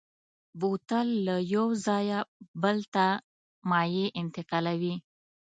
بوتل له یو ځایه بل ته مایع انتقالوي.